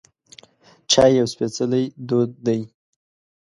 چای یو سپیڅلی دود دی.